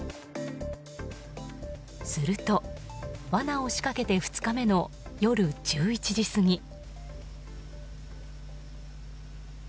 すると、わなを仕掛けて２日目の夜１１時過ぎ。